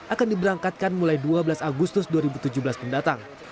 akan diberangkatkan mulai dua belas agustus dua ribu tujuh belas mendatang